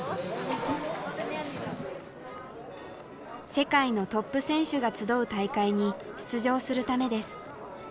世界のトップ選手が集う大会に出場するためです。